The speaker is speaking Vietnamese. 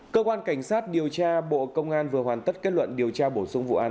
cơ quan cảnh sát điều tra bộ công an vừa hoàn tất kết luận điều tra bổ sung vụ án